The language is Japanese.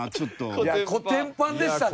いやコテンパンでした。